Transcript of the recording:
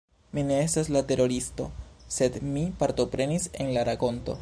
Mi ne estas la teroristo, sed mi partoprenis en la rakonto